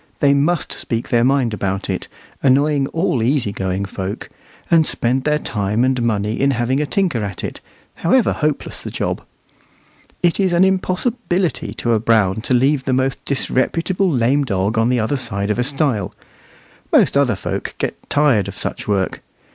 They must speak their mind about it, annoying all easy going folk, and spend their time and money in having a tinker at it, however hopeless the job. It is an impossibility to a Brown to leave the most disreputable lame dog on the other side of a stile. Most other folk get tired of such work.